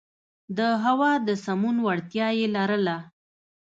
د هوا د سمون وړتیا یې لرله.